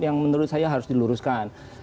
yang menurut saya harus diluruskan